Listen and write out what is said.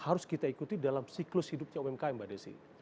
harus kita ikuti dalam siklus hidupnya umkm mbak desi